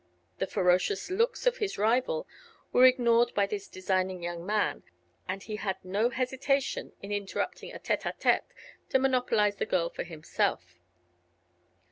The ferocious looks of his rival were ignored by this designing young man and he had no hesitation in interrupting a tête à tête to monopolize the girl for himself.